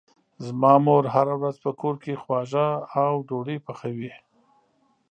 زما مور هره ورځ په کور کې خواږه او ډوډۍ پخوي.